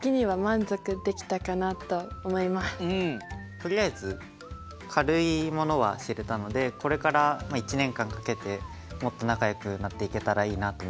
とりあえず軽いものは知れたのでこれから１年間かけてもっと仲よくなっていけたらいいなと思います。